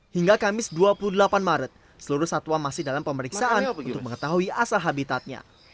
hingga kamis dua puluh delapan maret seluruh satwa masih dalam pemeriksaan untuk mengetahui asal habitatnya